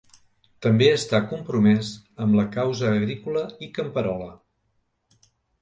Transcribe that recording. També està compromès amb la causa agrícola i camperola.